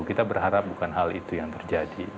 kita berharap bukan hal itu yang terjadi